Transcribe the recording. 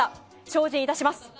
精進いたします。